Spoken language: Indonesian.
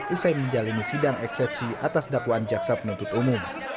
usai menjalani sidang eksepsi atas dakwaan jaksa penuntut umum